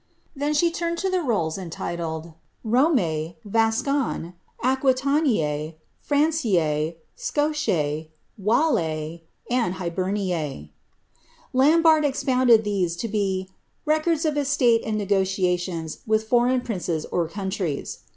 Then she turned to the rolls, entitled, Roma, Vascon, Aquiia nia:, Fiancix, Scotix, Wallix, et Iliberniic. Lambarde expounded these to be ■* records of estate and negotiatioiu with foreign princes or countries."